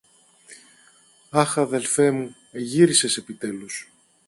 Αχ, αδελφέ μου, εγύρισες επιτέλους!